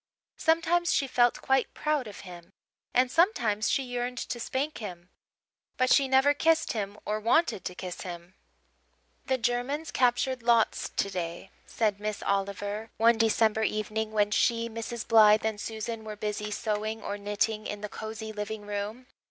Sometimes she felt quite proud of him; and sometimes she yearned to spank him. But she never kissed him or wanted to kiss him. "The Germans captured Lodz today," said Miss Oliver, one December evening, when she, Mrs. Blythe, and Susan were busy sewing or knitting in the cosy living room.